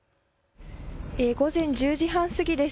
午前１０時半過ぎです。